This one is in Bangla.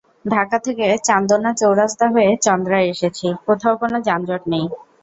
ঢাকা থেকে চান্দনা চৌরাস্তা হয়ে চন্দ্রায় এসেছি, কোথাও কোনো যানজট নেই।